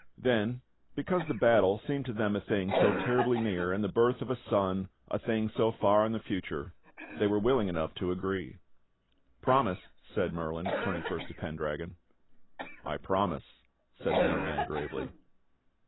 Then, because the battle seemed to them a thing so terribly near, and the birth of a son a thing so far in the future, they were willing enough to agree. * "Promise," said Merlin, turning first to Pendragon. "I promise," said the young man gravely.